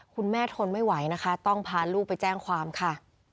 คุณแม่ทนไม่ไหวนะคะต้องพาลูกไปแจ้งความค่ะ